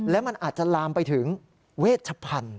และมันอาจจะลามไปถึงเวชพันธุ